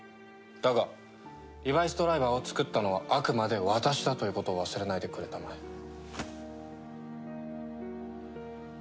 だがリバイスドライバーを作ったのはあくまで私だということを忘れないでくれたまえ。